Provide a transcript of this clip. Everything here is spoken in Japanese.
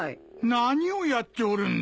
何をやっておるんだ。